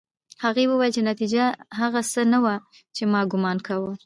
هغې وویل چې نتيجه هغه څه نه وه چې ما ګومان کاوه